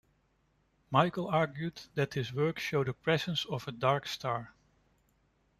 Michell argued that this would show the presence of a "dark star".